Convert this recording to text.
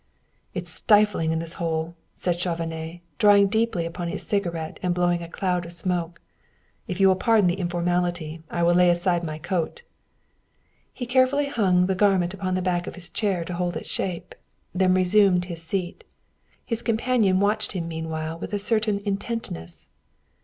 "It's stifling in this hole," said Chauvenet, drawing deeply upon his cigarette and blowing a cloud of smoke. "If you will pardon the informality, I will lay aside my coat." He carefully hung the garment upon the back of his chair to hold its shape, then resumed his seat. His companion watched him meanwhile with a certain intentness.